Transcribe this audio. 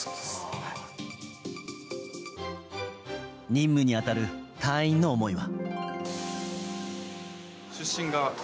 任務に当たる隊員の思いは。